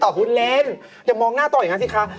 ต่อพูดเล่นเดี๋ยวมองหน้าต่ออย่างนั้นสิคะ